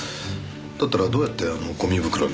だったらどうやってあのゴミ袋に？